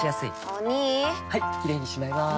お兄はいキレイにしまいます！